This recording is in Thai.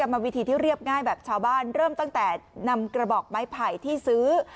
มาวิธีที่เรียบง่ายแบบชาวบ้านเริ่มตั้งแต่นำกระบอกไม้ไผ่ที่ซื้อ